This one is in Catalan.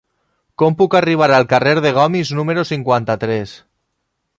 Com puc arribar al carrer de Gomis número cinquanta-tres?